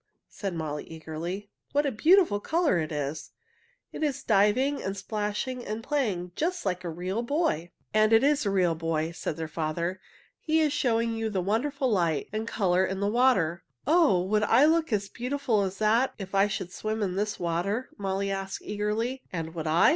said Molly eagerly. "What a beautiful color it is! It is diving and splashing and playing, just like a real boy." [Illustration: "Look! It is a nymph!"] "And it is a real boy," said their father. "He is showing you the wonderful light and color in the water." "Oh! Would I look as beautiful as that if I should swim in this water?" Molly asked eagerly. "And would I?"